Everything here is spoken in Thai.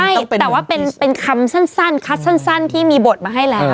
ใช่แต่ว่าเป็นคำสั้นคัดสั้นที่มีบทมาให้แล้ว